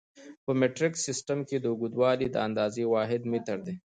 په مټریک سیسټم کې د اوږدوالي د اندازې واحد متر دی.